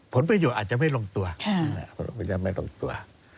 ผลประโยชน์อาจจะไม่ร่งตัว